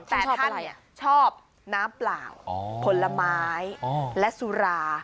แต่ท่านชอบอะไรชอบน้ำเปล่าอ๋อผลไม้อ๋อและสุรา